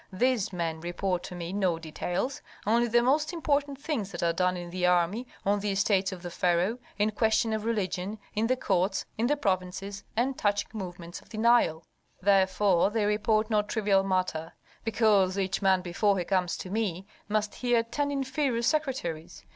These men report to me no details, only the most important things that are done in the army, on the estates of the pharaoh, in questions of religion, in the courts, in the provinces, and touching movements of the Nile. Therefore they report no trivial matter, because each man before he comes to me must hear ten inferior secretaries.